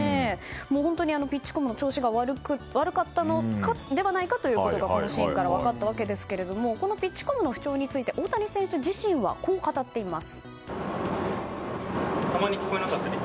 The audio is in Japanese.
ピッチコムの調子が悪かったのではないかということがこのシーンから分かったわけですがこのピッチコムの不調について大谷選手自身はこう語っています。